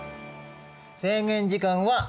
制限時間は２分。